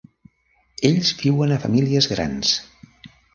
Ells viuen a famílies grans.